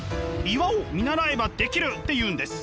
「岩を見習えばできる」って言うんです。